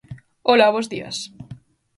Ola, bos días.